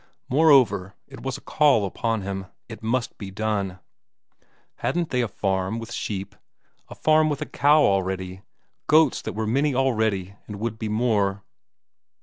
Moreover, it was a call upon him; it must be done. Hadn't they a farm with sheep, a farm with a cow already, goats that were many already and would be more?